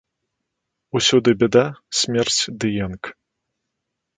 Усюды бяда, смерць ды енк.